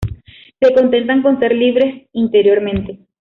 Se contenta con ser libre interiormente.